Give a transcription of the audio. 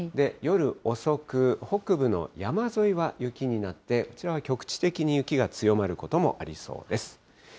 夜遅く、北部の山沿いは雪になって、こちらは局地的に雪が強まることもありそうです。